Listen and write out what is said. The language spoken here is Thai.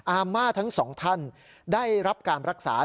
อาม่าทั้งสองท่านได้รับการรักษา